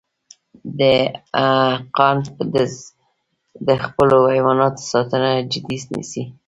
دهقان د خپلو حیواناتو ساتنه جدي نیسي.